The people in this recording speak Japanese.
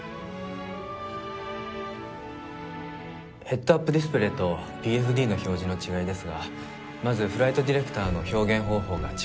ヘッドアップ・ディスプレーとＰＦＤの表示の違いですがまずフライト・ディレクターの表現方法が違っています。